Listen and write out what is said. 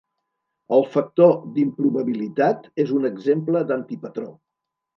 El factor d'improbabilitat és un exemple d'antipatró.